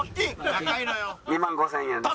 ２万５０００円です。